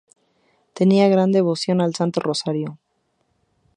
Tenía gran devoción al Santo Rosario.